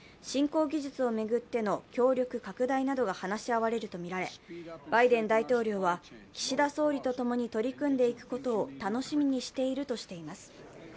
新興技術を巡っての協力拡大などが話し合われるとみられ、バイデン大統領は、岸田総理と共に取り組んでいくことを楽しみにしているとしています。